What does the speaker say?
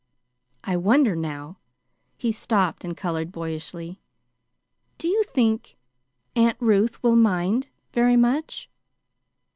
"I wonder, now," he stopped, and colored boyishly, "do you think Aunt Ruth will mind very much?"